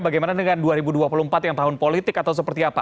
bagaimana dengan dua ribu dua puluh empat yang tahun politik atau seperti apa